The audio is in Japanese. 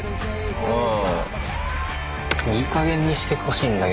うん。